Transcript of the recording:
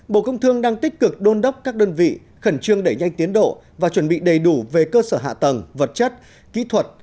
bộ công thương đang tích cực đôn đốc các đơn vị khẩn trương đẩy nhanh tiến độ và chuẩn bị đầy đủ về cơ sở hạ tầng vật chất kỹ thuật